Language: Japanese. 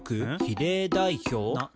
比例代表？」